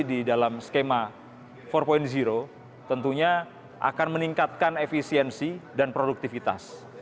di dalam skema empat tentunya akan meningkatkan efisiensi dan produktivitas